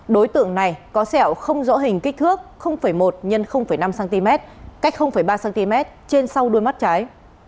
đối tượng này có sẹo không rõ hình kích thước một x năm cm cách ba cm trên sau đuôi mắt trái